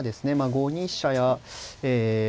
５二飛車やえ